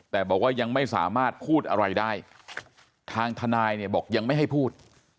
แต่บอกว่ายังไม่สามารถพูดอะไรได้ทางทนายเนี่ยบอกยังไม่ให้พูด